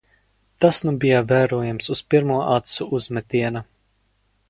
Tas nu bija vērojams uz pirmo acu uzmetiena.